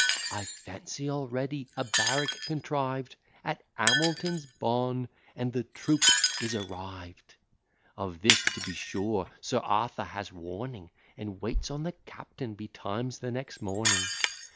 I fancy already a barrack contrived At Hamilton's bawn, and the troop is arrived; Of this to be sure, Sir Arthur has warning, And waits on the captain betimes the next morning.